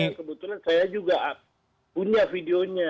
kebetulan saya juga punya videonya